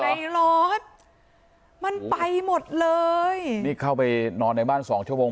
ในรถมันไปหมดเลยนี่เข้าไปนอนในบ้านสองชั่วโมง